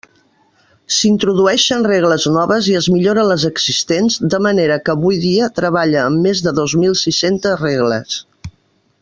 S'introdueixen regles noves i es milloren les existents, de manera que avui dia treballa amb més de dos mil sis-centes regles.